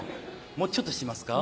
もうちょっとしますか？